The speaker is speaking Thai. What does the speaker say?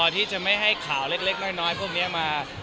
ที่จะไม่ให้ข่าวเล็กน้อยพวกนี้มา